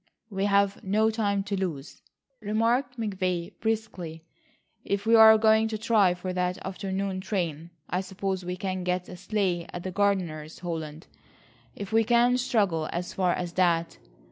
"We've no time to lose," remarked McVay briskly, "if we are going to try for that afternoon train. I suppose we can get a sleigh at the gardener's, Holland, if we can struggle as far as that.